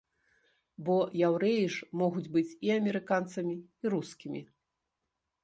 Бо яўрэі ж могуць быць і амерыканцамі, і рускімі!